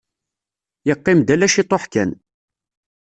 Yeqqim-d ala ciṭuḥ kan.